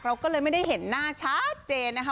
เราก็เลยไม่ได้เห็นหน้าชัดเจนนะคะ